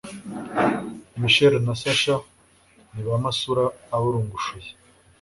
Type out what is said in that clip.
Michelle na Sasha ni ba masura aburungushuye